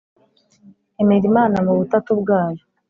emera imana mu butatu bwayo